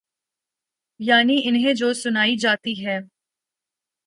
یعنی انہیں جو سنائی جاتی ہے۔